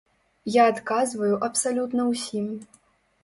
Я адказваю абсалютна ўсім.